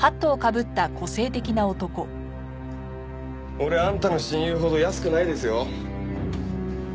俺あんたの親友ほど安くないですよ？